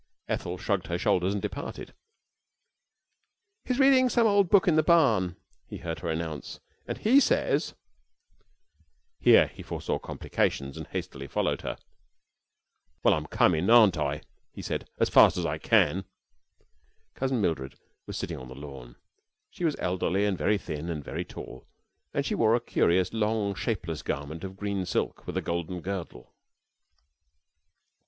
Ethel shrugged her shoulders and departed. "He's reading some old book in the barn," he heard her announce, "and he says " [Illustration: ETHEL APPEARED IN THE DOORWAY. "MOTHER WANTS YOU," SHE ANNOUNCED.] Here he foresaw complications and hastily followed her. "Well, I'm comin', aren't I?" he said, "as fast as I can." Cousin Mildred was sitting on the lawn. She was elderly and very thin and very tall, and she wore a curious, long, shapeless garment of green silk with a golden girdle.